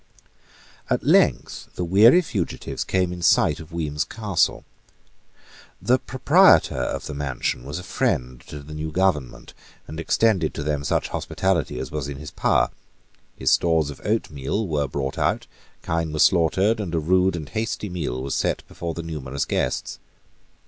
At length the weary fugitives came in sight of Weems Castle. The proprietor of the mansion was a friend to the new government, and extended to them such hospitality as was in his power. His stores of oatmeal were brought out, kine were slaughtered; and a rude and hasty meal was set before the numerous guests.